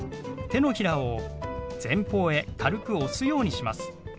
手のひらを前方へ軽く押すようにします。